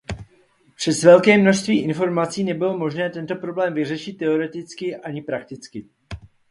Přes velké množství informací nebylo možné tento problém vyřešit teoreticky ani prakticky.